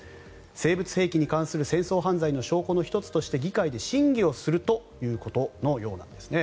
生物兵器に関する戦争犯罪の証拠の１つとして議会で審議をするということのようです。